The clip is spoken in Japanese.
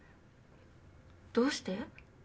どうして？